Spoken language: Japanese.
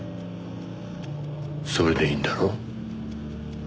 それでいいんだろ？